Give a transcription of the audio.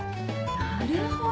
なるほど。